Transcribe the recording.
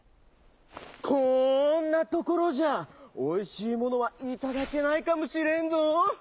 こんなところじゃおいしいものはいただけないかもしれんぞ。